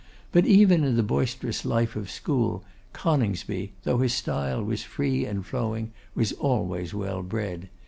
But even in the boisterous life of school, Coningsby, though his style was free and flowing, was always well bred.